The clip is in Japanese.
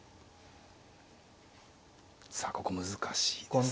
さあここ難しいですね。